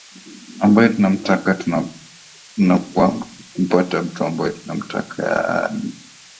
ambae tunamtaka tunakuwa hatufanikiwi kumpata mtu ambae tunamtaka yaani ccm